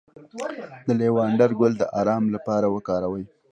د لیوانډر ګل د ارام لپاره وکاروئ